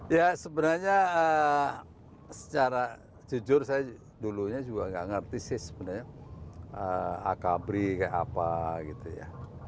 ya sebenarnya secara jujur saya dulunya juga nggak ngerti sih sebenarnya akabri kayak apa gitu ya